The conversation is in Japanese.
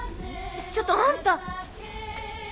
ちょっとあんた！